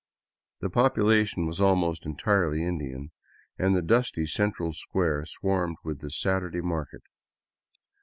The population was almost entirely Indian, and the dusty central square swarmed with the Saturday market.